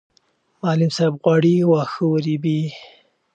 معلم صاحب غواړي واښه ورېبي.